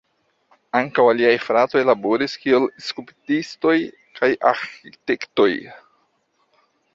Ankaŭ aliaj fratoj laboris kiel skulptistoj aŭ arĥitektoj.